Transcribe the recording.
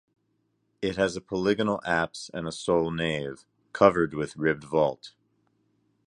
It has a polygonal apse and a sole nave, covered with ribbed vault.